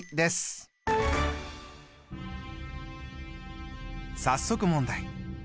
早速問題。